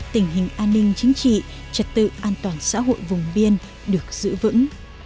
tình hình an ninh chính trị trật tự an toàn xã hội vùng biên được giữ vững